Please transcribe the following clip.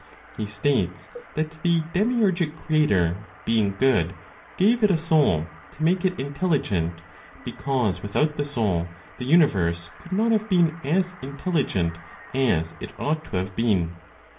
He states that the demiurgic creator, being good, gave it a soul to make it intelligent, because without the soul, the universe could not have been as intelligent as it ought to have been.